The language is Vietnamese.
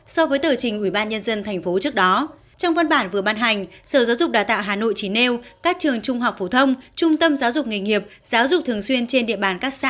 so với tờ trình ubnd tp trước đó trong văn bản vừa ban hành sở giáo dục đào tạo hà nội chỉ nêu các trường trung học phổ thông trung tâm giáo dục nghề nghiệp giáo dục thường xuyên trên địa bàn các xã